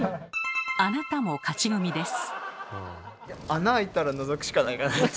あなたも勝ち組です。